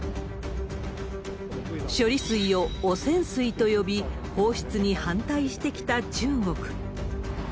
処理水を汚染水と呼び、放出に反対してきた中国。